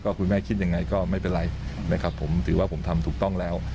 คุณแม่คิดยังไงก็ไม่เป็นไรนะครับผมถือว่าผมทำถูกต้องแล้ว